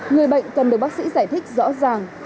người bệnh cần được bác sĩ giải thích rõ ràng